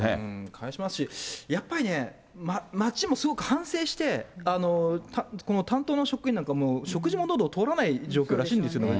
返しますし、やっぱりね、町もすごく反省して、この担当の職員なんか、食事ものどを通らないような状況らしいんですよね。